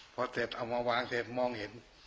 พอเสร็จเอามาวางเสร็จมองเห็น